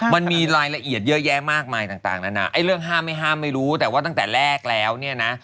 มันมีรายละเอียดเยอะแยะมากมายต่างนานาไอ้เรื่องห้ามไม่ห้ามไม่รู้แต่ว่าตั้งแต่แรกแล้วเนี่ยนะ